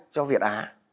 cho việt á